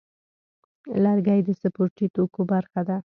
لرګی د سپورتي توکو برخه ده.